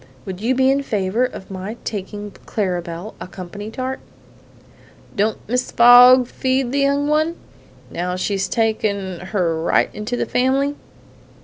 Would you be in favor of my taking Clara Belle a company tart?" "Don't Mrs. Fogg feed the young one, now she's taken her right into the family?"